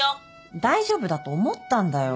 大丈夫だと思ったんだよ。